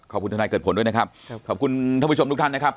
ขอบคุณท่านไหนเกิดผลด้วยนะครับขอบคุณทุกผู้ชมทุกท่านนะครับ